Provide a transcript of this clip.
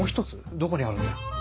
どこにあるんだよ？